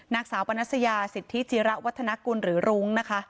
นางสาวปนัสยาสิทธิจิระวัฒนกุลหรือรุ้งนะคะ